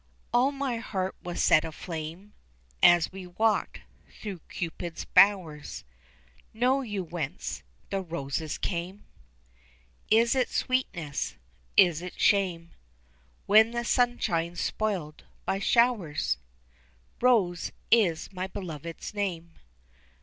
All my heart was set aflame As we walked through Cupid's bowers; Know you whence the roses came? Is it sweetness is it shame When the sunshine's spoiled by showers? Rose is my beloved's name.